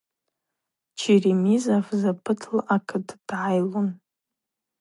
Черемизов запытла акыт дгӏайлун.